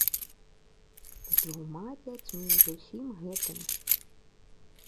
З двума дзяцьмі, з усім гэтым.